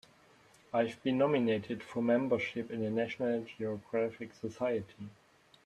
I've been nominated for membership in the National Geographic Society.